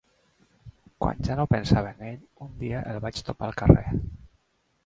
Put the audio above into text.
Quan ja no pensava en ell, un dia el vaig topar al carrer.